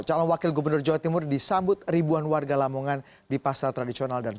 calon wakil gubernur jawa timur disambut ribuan warga lamungan di pasar tradisional jawa timur